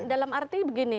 dalam arti begini